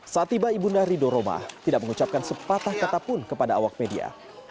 satiba ibunda rido roma tidak mengucapkan sepatah kata pun kepada awak media